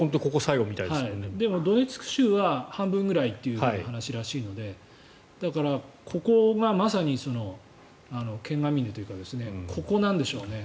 でもドネツク州は半分ぐらいという話らしいのでだからここがまさに剣ヶ峰というかここなんでしょうね。